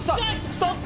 ストップ！